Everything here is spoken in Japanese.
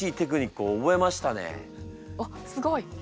あっすごい。